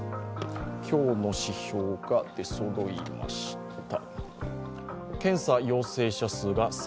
今日の指標が出そろいました。